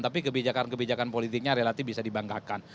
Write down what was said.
tapi kebijakan kebijakan politiknya relatif bisa dibanggakan